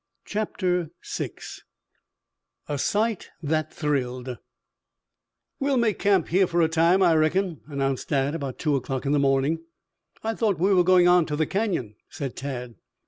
CHAPTER VI A SIGHT THAT THRILLED "We'll make camp here for a time, I reckon," announced Dad about two o'clock in the morning. "I thought we were going on to the Canyon," said Tad.